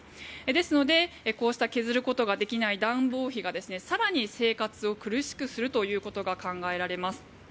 ですので、こうした削ることができない暖房費が更に生活を苦しくするということが考えられます。